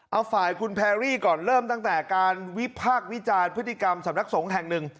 เอาฝ่ายคุณแพรรี่ก่อนเริ่มตั้งแต่การวิพากษ์วิจารณ์พฤติกรรมสำนักสงฆ์แห่งหนึ่ง